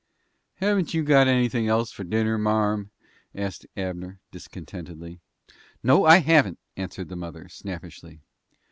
"Haven't you got anything else for dinner, marm?" asked Abner, discontentedly. "No, I haven't," answered the mother, snappishly.